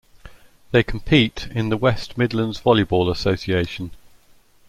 They compete in the West Midlands Volleyball Association.